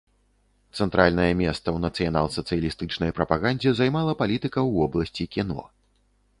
Цэнтральнае месца ў нацыянал-сацыялістычнай прапагандзе займала палітыка ў вобласці кіно.